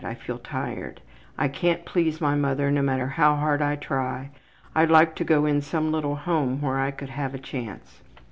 I feel tired. I can't please my mother no matter how hard I try. I'd like to go in some little home where I could have a chance.''